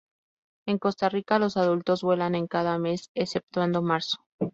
En Costa Rica, los adultos vuelan en cada mes exceptuando marzo.